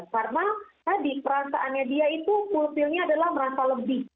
karena tadi perasaannya dia itu pupilnya adalah merasa lebih